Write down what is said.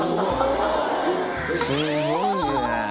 すごいね。